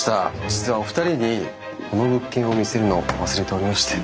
実はお二人にこの物件を見せるのを忘れておりまして。